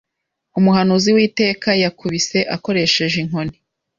Umuhanuzi witeka yakubise akoresheje inkoni